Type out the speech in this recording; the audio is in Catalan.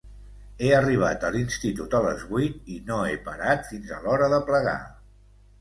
He arribat a l'institut a les vuit i no he parat fins a l'hora de plegar.